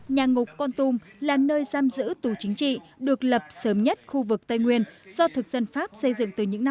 nhà ngục con tum là nơi giam giữ tù chính trị được lập sớm nhất khu vực tây nguyên do thực dân pháp xây dựng từ những năm một nghìn chín trăm một mươi năm